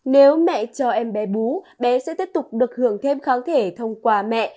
nếu mẹ cho em bé bú bé sẽ tiếp tục được hưởng thêm kháng thể thông qua mẹ